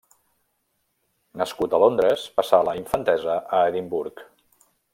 Nascut a Londres passà la infantesa a Edimburg.